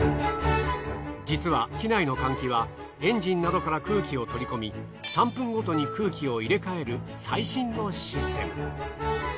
実は機内の換気はエンジンなどから空気を取り込み３分ごとに空気を入れ替える最新のシステム。